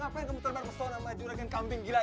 eh nyonya besar dengerin nih kupingnya